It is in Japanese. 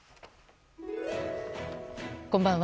こんばんは。